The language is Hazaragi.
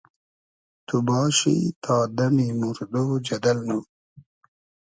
تو باشی تا دئمی موردۉ جئدئل نوم